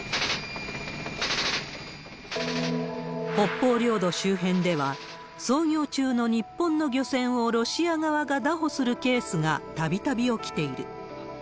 北方領土周辺では、操業中の日本の漁船をロシア側が拿捕するケースがたびたび起きている。